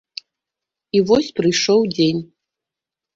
І вось прыйшоў дзень.